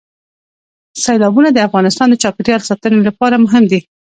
سیلابونه د افغانستان د چاپیریال ساتنې لپاره مهم دي.